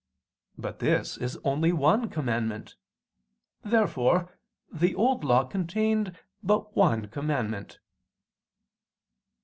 But this is only one commandment. Therefore the Old Law contained but one commandment.